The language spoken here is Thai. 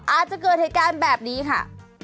อาจจะเกิดเหตุการณ์แบบนี้ค่ะ